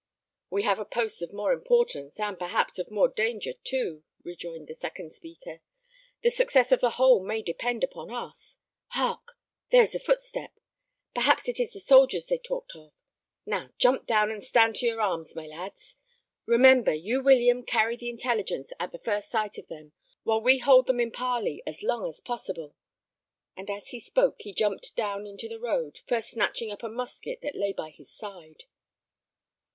"We have a post of more importance, and perhaps of more danger too," rejoined the second speaker. "The success of the whole may depend upon us. Hark! there is a footstep! Perhaps it is the soldiers they talked of. Now, jump down and stand to your arms, my lads. Remember you, William, carry the intelligence at the first sight of them, while we hold them in parley as long as possible." And as he spoke, he jumped down into the road, first snatching up a musket that lay by his side.